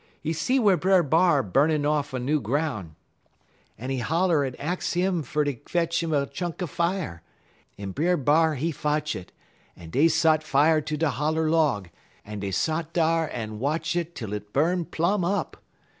He see whar Brer B'ar burnin' off a new groun', en he holler en ax 'im fer ter fetch 'im a chunk er fier, en Brer B'ar he fotch it, en dey sot fier ter de holler log, en dey sot dar en watch it till it burn plum up.